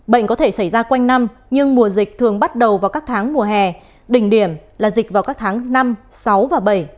bệnh có thể xảy ra quanh năm nhưng mùa dịch thường bắt đầu vào các tháng mùa hè đỉnh điểm là dịch vào các tháng năm sáu và bảy